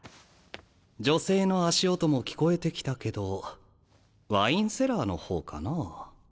女性の足音も聞こえてきたけどワインセラーの方かな？